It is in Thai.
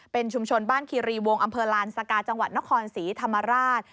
เป็นชุมชนบ้านคีรีวงอำเภอลานสกาจังหวัดนครศรีธรรมราช